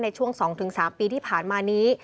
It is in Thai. ในช่วง๒๓ปีที่ผ่านมานี้